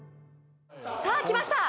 さあ来ました